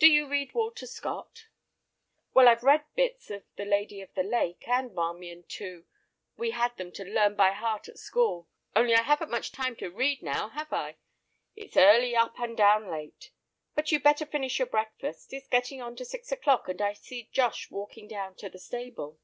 Do you read Walter Scott?" "Well, I've read bits of the Lady of the Lake and Marmion too. We had them to learn by heart at school. Only I haven't much time to read now, have I? It's early up and down late. But you'd better finish your breakfast; it's getting on to six o'clock, and I see Josh walking down to the stable."